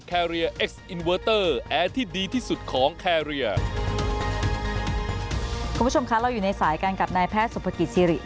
คุณผู้ชมคะเราอยู่ในสายกันกับนายแพทย์สุภกิจสิริ